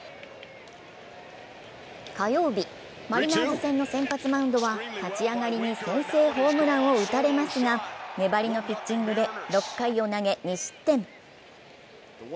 火曜日、マリナーズ戦の先発マウンドは立ち上がりに先制ホームランを打たれますが、粘りのピッチングで６回を投げ２失点。